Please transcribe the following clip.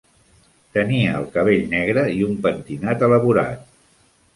Tenia el cabell negre i un pentinat elaborat.